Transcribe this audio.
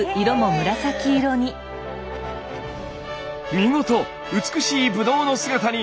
見事美しいブドウの姿に！